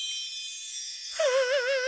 はあ。